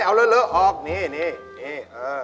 เอาเลอะออกนี่นี่เออ